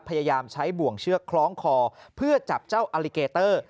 พยายามใช้บ่วงเชือกคล้องคอเพื่อจับเจ้าอลิเกเตอร์